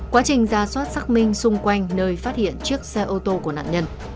quá trình ra soát xác minh xung quanh nơi phát hiện chiếc xe ô tô của nạn nhân